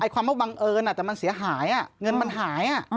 ความว่าบังเอิญแต่มันเสียหายเงินมันหาย